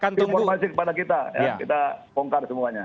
kita bongkar semuanya